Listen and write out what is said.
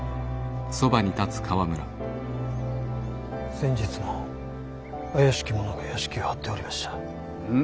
先日も怪しき者が邸を張っておりました。